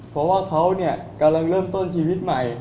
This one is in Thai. เพราะว่าเขาเนี่ยกำลังเริ่มต้นชีวิตใหม่